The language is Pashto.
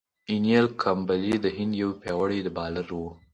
انیل کمبلې د هند یو پياوړی بالر وو.